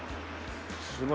すごい。